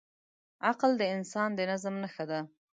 عقل د انسان د نظم نښه ده.